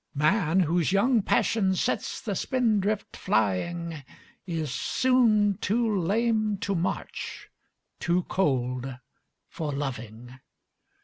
Man, whose young passion sets the spindrift flying, Is soon too lame to march, too cold for loving.